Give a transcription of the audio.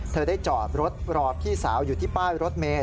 เธอได้จอดรถรอพี่สาวอยู่ที่ป้ายรถเมย